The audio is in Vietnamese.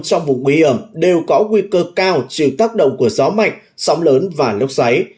trong vùng nguy hiểm đều có nguy cơ cao chịu tác động của gió mạnh sóng lớn và lốc xoáy